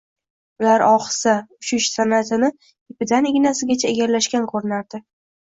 Ular ohista uchish san’atini ipidan-ignasigacha egallashgan ko‘rinardi.